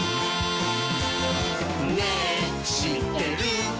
「ねぇしってる？」